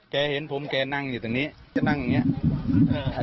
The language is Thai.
เห็นผมแกนั่งอยู่ตรงนี้แกนั่งอย่างเงี้ย